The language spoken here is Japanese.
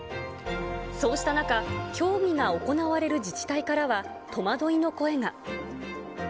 そうした中、競技が行われる自治体からは、戸惑いの声が。